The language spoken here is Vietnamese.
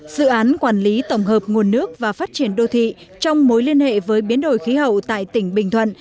dự án quản lý tổng hợp nguồn nước và phát triển đô thị trong mối liên hệ với biến đổi khí hậu tại tỉnh bình thuận